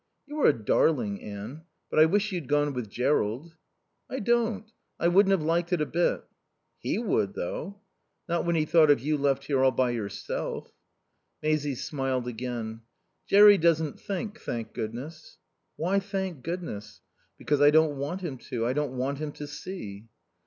"You are a darling, Anne; but I wish you'd gone with Jerrold." "I don't. I wouldn't have liked it a bit." "He would, though." "Not when he thought of you left here all by yourself." Maisie smiled again. "Jerry doesn't think, thank Goodness." "Why 'thank Goodness'?" "Because I don't want him to. I don't want him to see."